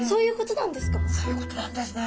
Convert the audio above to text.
そういうことなんですか？